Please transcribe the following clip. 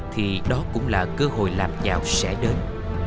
thì đó cũng là cơ hội làm giàu sẽ đến